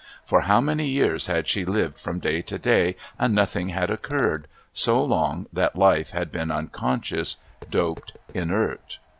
For how many years had she lived from day to day and nothing had occurred so long that life had been unconscious, doped, inert.